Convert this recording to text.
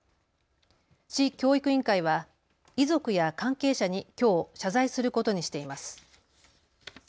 市教育委員会は遺族や関係者にきょう謝罪することにしています。